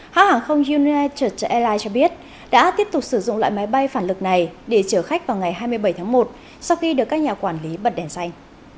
hãng hàng không united airlines cho biết đã tiếp tục sử dụng loại máy bay phản lực này để chở khách vào ngày hai mươi bảy tháng một sau khi được các nhà quản lý bật đèn xanh